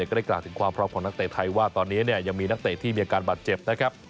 ก็ได้กล่าวถึงความพร้อมของนักเตะไทยว่าตอนนี้ยังมีนักเตะที่มีอาการบาดเจ็บนะครับ